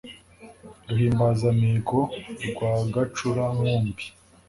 Ruhimbaza-mihigo rwa Gacura-nkumbi